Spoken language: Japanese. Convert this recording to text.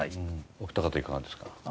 お二方いかがですか？